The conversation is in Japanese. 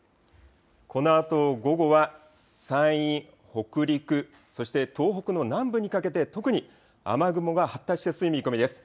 このあと午後は山陰、北陸、そして東北の南部にかけて特に雨雲が発達しやすい見込みです。